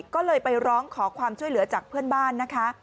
ก็เลยไปร้องขอความช่วยเหลือจากเพื่อนบ้านนะคะ